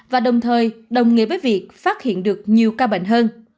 và đồng thời đồng nghĩa với việc phát hiện được nhiều ca bệnh hơn